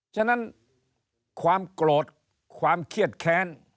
ฉะนั้นความโกรธความเครียดแค้น